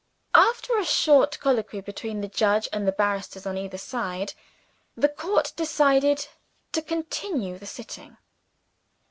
After a short colloquy between the judge and the banisters on either side, the court decided to continue the sitting.